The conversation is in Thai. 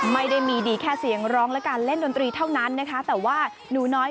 ไม่ได้มีดีแค่เสียงร้องและการเล่นดนตรีเท่านั้นนะคะแต่ว่าหนูน้อย